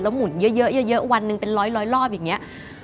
หมุนเยอะวันหนึ่งเป็นร้อยรอบอย่างนี้